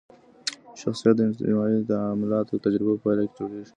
شخصیت د اجتماعي تعاملاتي تجربو په پایله کي جوړېږي.